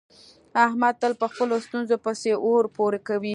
احمد تل په خپلو ستونزو پسې اور پورې کوي.